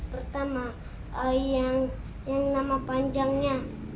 pertama yang nama panjangnya